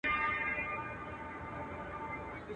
خپله ښکلا ، ښايست